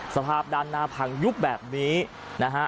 สภาพด้านหน้าพังยุบแบบนี้นะฮะ